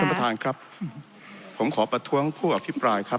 ครับท่านประทานครับผมขอประท้วงผู้อภิพรายครับ